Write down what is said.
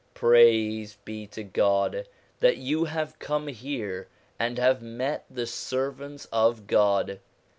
Praise be to God that you have come here, and have met the servants of God